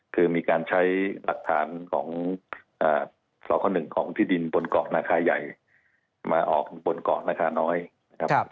คือมีการใช้หลักฐานของสค๑ของที่ดินบนเกาะนาคาใหญ่มาออกบนเกาะนาคาน้อยนะครับ